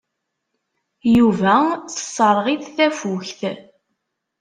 Yuba tesserɣ-it tafukt.